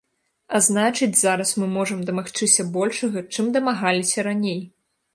А значыць, зараз мы можам дамагчыся большага, чым дамагаліся раней.